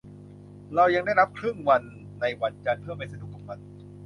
เรายังได้รับครึ่งวันในวันจันทร์เพื่อไปสนุกกับมัน